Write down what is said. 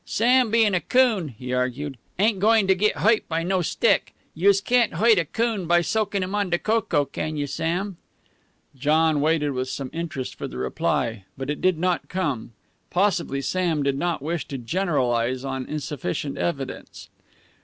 "Sam bein' a coon," he argued, "ain't goin' to git hoit by no stick. Youse can't hoit a coon by soakin' him on de coco, can you, Sam?" John waited with some interest for the reply, but it did not come. Possibly Sam did not wish to generalize on insufficient experience.